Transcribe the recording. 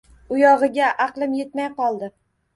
Uyog’iga aqlim yetmay qoldi…